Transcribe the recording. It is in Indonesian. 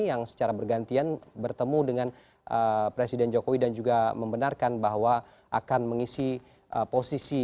yang secara bergantian bertemu dengan presiden jokowi dan juga membenarkan bahwa akan mengisi posisi